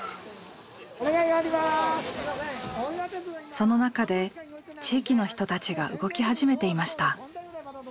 その中で地域の人たちが動き始めていました。